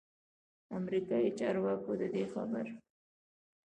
امریکايي چارواکو ددې خبر